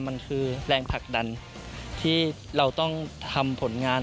มันคือแรงผลักดันที่เราต้องทำผลงาน